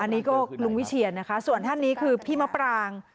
อันนี้ก็ลุงวิเชียนนะคะส่วนท่านนี้คือพี่มะปราง